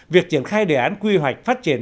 việc triển khai đề án quy hoạch phát triển